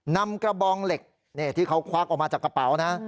นำกระบองเหล็กที่เขาควักออกมาจากกระเป๋านะ